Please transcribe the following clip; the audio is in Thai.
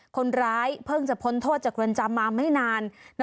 คนร้ายเพิ่งจะพ้นโทษจากเรือนจำมาไม่นาน